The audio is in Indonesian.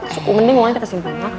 seku mending wangnya tersimpan